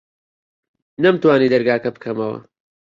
نەمتوانی دەرگاکە بکەمەوە.